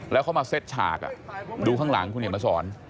แล้วเขามาเซ็ตฉากดูข้างหลังคุณเห็นมาสอน